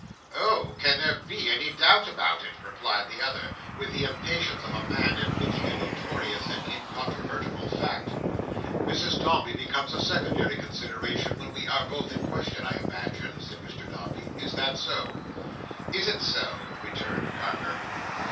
"Oh! Can there be a doubt about it?" replied the other, with the impatience of a man admitting a notorious and incontrovertible fact. "Mrs Dombey becomes a secondary consideration, when we are both in question, I imagine," said Mr Dombey. "Is that so?" "Is it so?" returned Carker.